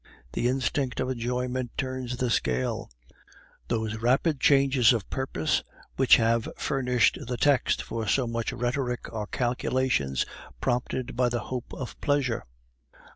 The instinct of enjoyment turns the scale; those rapid changes of purpose which have furnished the text for so much rhetoric are calculations prompted by the hope of pleasure.